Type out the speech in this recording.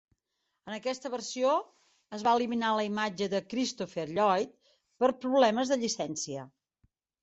En aquesta versió es va eliminar la imatge de Christopher Lloyd per problemes de llicència.